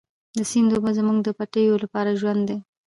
د سیند اوبه زموږ د پټیو لپاره ژوند دی.